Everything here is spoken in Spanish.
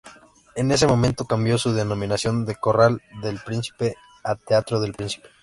En ese momento, cambió su denominación de Corral del Príncipe a Teatro del Príncipe.